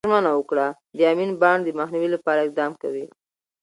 هغه ژمنه وکړه، د امین بانډ د مخنیوي لپاره اقدام کوي.